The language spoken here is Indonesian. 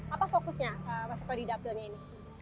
apa fokusnya mas sekodidapil ini